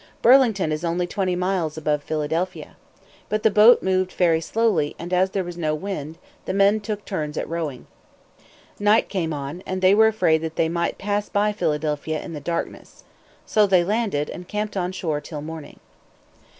Burlington is only twenty miles above Philadelphia. But the boat moved very slowly, and as there was no wind, the men took turns at rowing. Night came on, and they were afraid that they might pass by Philadelphia in the darkness. So they landed, and camped on shore till morning.